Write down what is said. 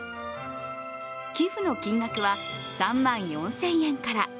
寄付の金額は３万４０００円から。